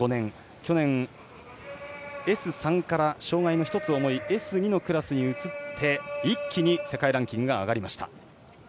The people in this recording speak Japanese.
去年、Ｓ３から障がいの１つ重いＳ２のクラスに移って、一気に世界ランキングが上がりました。